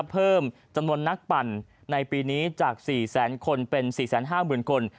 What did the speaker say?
เพิ่มจำนวนนักปั่นในปีนี้จาก๔แสนคนเป็น๔๕๐๐๐คน